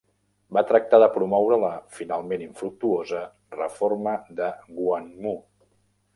Va tractar de promoure la finalment infructuosa Reforma de Gwangmu.